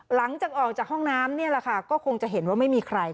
หลังจากออกจากห้องน้ำนี่แหละค่ะก็คงจะเห็นว่าไม่มีใคร